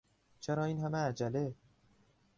چرا این همه عجله؟